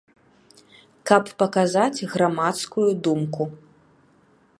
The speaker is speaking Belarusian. Каб паказаць грамадскую думку.